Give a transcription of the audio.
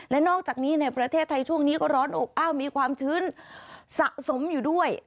และนอกจากนี้ในประเทศไทยช่วงนี้ก็ร้อนอบอ้าวมีความชื้นสะสมอยู่ด้วย